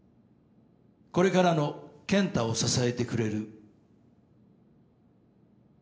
これからの健太を支えてくれる。